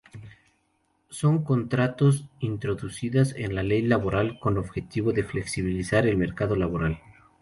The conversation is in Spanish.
Son contratos introducidas en la ley laboral con objetivo de "flexibilizar" el mercado laboral.